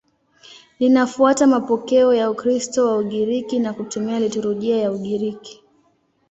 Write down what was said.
Linafuata mapokeo ya Ukristo wa Ugiriki na kutumia liturujia ya Ugiriki.